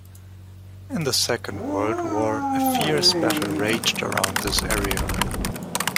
In the Second World War a fierce battle raged around this area.